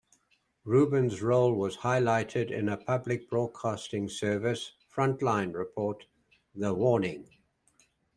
Rubin's role was highlighted in a Public Broadcasting Service "Frontline" report, "The Warning".